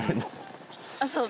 あっそう。